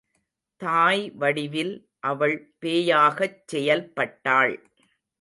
தாய்வடிவில் அவள் பேயாகச் செயல்பட்டாள்.